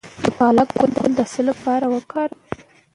د پالک ګل د څه لپاره وکاروم؟